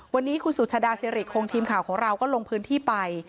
วันนี้คุณสุชาดาสิริคงทีมข่าวของเราก็ลงพื้นที่ไป